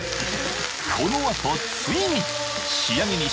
このあとついに！